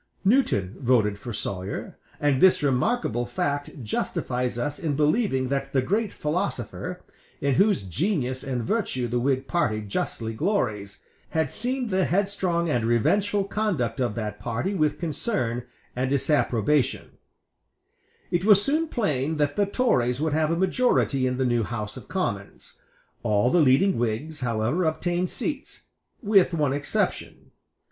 Newton voted for Sawyer; and this remarkable fact justifies us in believing that the great philosopher, in whose genius and virtue the Whig party justly glories, had seen the headstrong and revengeful conduct of that party with concern and disapprobation, It was soon plain that the Tories would have a majority in the new House of Commons, All the leading Whigs however obtained seats, with one exception.